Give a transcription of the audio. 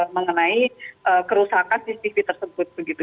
mengenai kerusakan cctv tersebut begitu